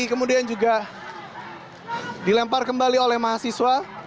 kemudian juga dilempar kembali oleh mahasiswa